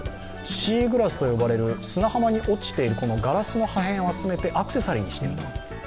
シーグラスと呼ばれる砂浜に落ちているガラスの破片を集めてアクセサリーにしていると。